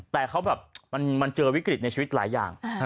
แต่เขาแบบมันเจอวิกฤตในชีวิตหลายอย่าง